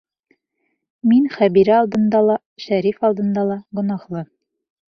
Мин Хәбирә алдында ла, Шәриф алдында ла гонаһлы...